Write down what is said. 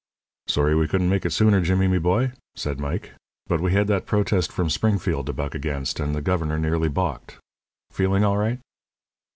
"Sorry we couldn't make it sooner, Jimmy, me boy," said Mike. "But we had that protest from Springfield to buck against, and the governor nearly balked. Feeling all right?"